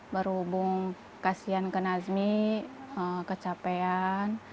berhubung kasihan ke nazmi kecapean